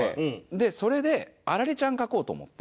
でそれでアラレちゃん描こうと思って。